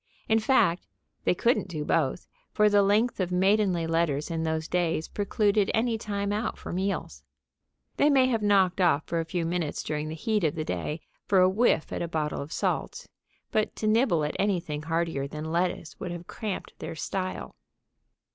In fact, they couldn't do both, for the length of maidenly letters in those days precluded any time out for meals. They may have knocked off for a few minutes during the heat of the day for a whiff at a bottle of salts, but to nibble at anything heartier than lettuce would have cramped their style.